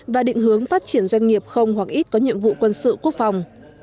và định hướng phát triển doanh nghiệp không hoặc ít có nhiệm vụ quân sự quốc phòng